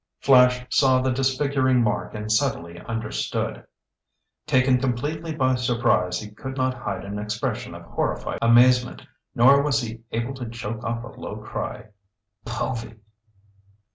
Flash saw the disfiguring mark and suddenly understood. Taken completely by surprise he could not hide an expression of horrified amazement. Nor was he able to choke off a low cry: "_Povy!